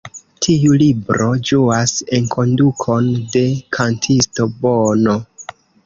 Tiu libro ĝuas enkondukon de kantisto Bono.